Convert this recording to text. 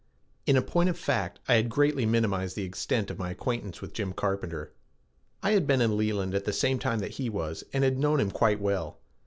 In point of fact I had greatly minimized the extent of my acquaintance with Jim Carpenter. I had been in Leland at the same time that he was and had known him quite well.